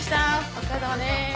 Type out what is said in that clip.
お疲れさまです。